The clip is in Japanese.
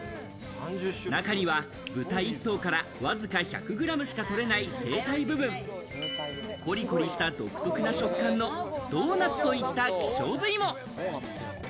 中には豚１頭からわずか１００グラムしか取れない声帯部分、コリコリした独特な食感のドーナツといった希少部位も。